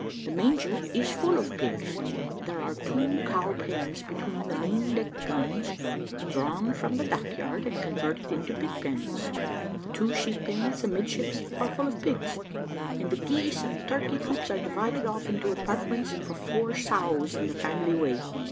The manger is full of pigs; there are two cow pens between the main deck guns, drawn from the dock yard, and converted into pig pens. The two sheep pens amidships are full of pigs, and the geese and turkey coops are divided off into apartments for four sows in the family way.